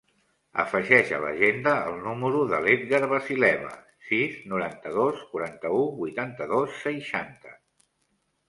Afegeix a l'agenda el número de l'Edgar Vasileva: sis, noranta-dos, quaranta-u, vuitanta-dos, seixanta.